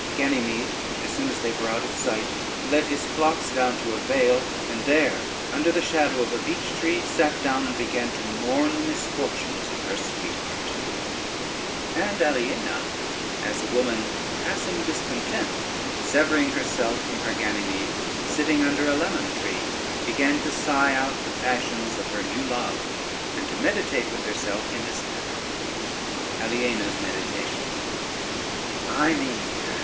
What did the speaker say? Ganymede, as soon as they were out of sight, led his flocks down to a vale, and there under the shadow of a beech tree sate down, and began to mourn the misfortunes of her sweetheart. [Footnote 1: wooden mug.] And Aliena, as a woman passing discontent, severing herself from her Ganymede, sitting under a limon tree, began to sigh out the passions of her new love, and to meditate with herself in this manner: ALIENA'S MEDITATION "Ay me!